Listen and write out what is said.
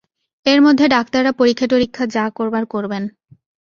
এর মধ্যে ডাক্তাররা পরীক্ষা-টরীক্ষা যা করবার করবেন।